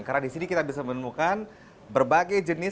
karena di sini kita bisa menemukan berbagai jenis